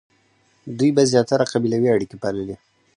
دوی به زیاتره قبیلوي اړیکې پاللې.